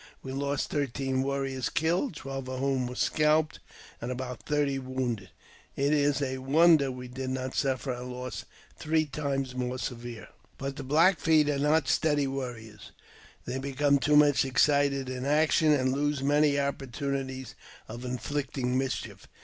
We lost thirteen warriors killed, twelve of whom were scalped, and about thirty wounded. It is a wonder we did not suffer a loss three times more severe.. But the Black Feet are not steady warriors ; they become too much excited in action, and lose many opportunitlas of inflict ing mischief.